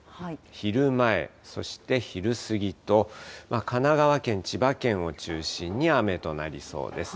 昼前、そして昼過ぎと、神奈川県、千葉県を中心に雨となりそうです。